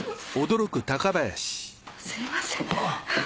すみません。